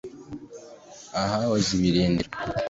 ahahoze ibirindiro